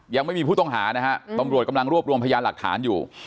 ยังไม่มีผู้ต้องหานะฮะตำรวจกำลังรวบรวมพยานหลักฐานอยู่